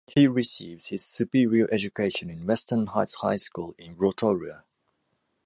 He receives his superior education in Western Heights High School in Rotorua.